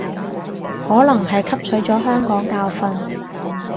可能係汲取咗香港教訓